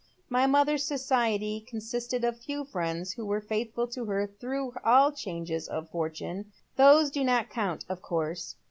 My mother's society consisted of the few friends wlio were faithful to her through all changes of fortune. Those do not count, of course.